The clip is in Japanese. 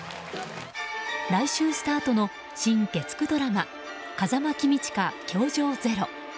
来週スタートの新月９ドラマ「風間公親‐教場０‐」。